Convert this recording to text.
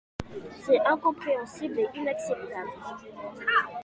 C’est incompréhensible et inacceptable.